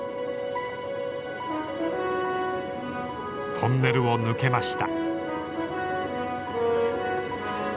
トンネルを抜けました。